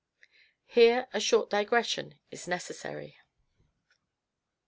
Here a short digression is necessary.